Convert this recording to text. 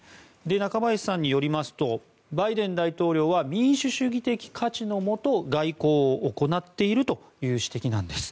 中林さんによりますとバイデン大統領は民主主義価値観のもと外交を行っているという指摘なんです。